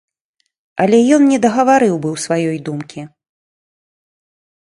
Але ён не дагаварыў быў сваёй думкі.